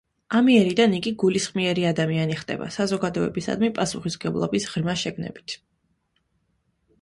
ამიერიდან იგი გულისხმიერი ადამიანი ხდება, საზოგადოებისადმი პასუხისმგებლობის ღრმა შეგნებით.